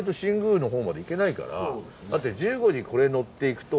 だって１５時これ乗っていくと。